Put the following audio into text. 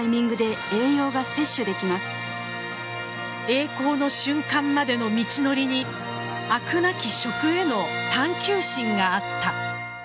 栄光の瞬間までの道のりに飽くなき食への探求心があった。